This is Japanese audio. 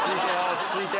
落ち着いて！